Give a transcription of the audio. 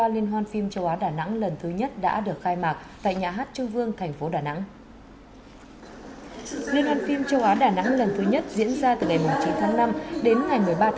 liên hoan phim châu á đà nẵng lần thứ nhất diễn ra từ ngày chín tháng năm đến ngày một mươi ba tháng năm